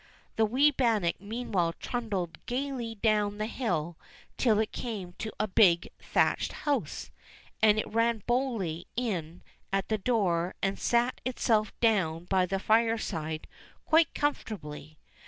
The wee bannock meanwhile trundled gaily down the hill till it came to a big thatched house, and it ran boldly in at the door and sate itself down by the fireside quite comfort ably.